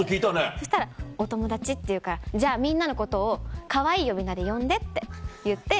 そしたらお友達って言うからじゃあみんなのことをかわいい呼び名で呼んでって言って。